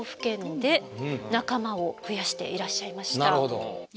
なるほど。